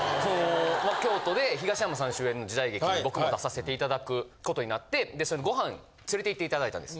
京都で東山さん主演の時代劇僕も出させて頂く事になってご飯連れて行って頂いたんです。